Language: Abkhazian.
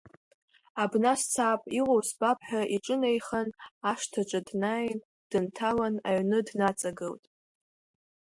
Абна сцап, иҟау збап ҳәа иҿынаихан, ашҭаҿы днаин дынҭалан, аҩны днаҵагылт.